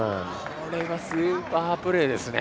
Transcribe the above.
これはスーパープレーですね。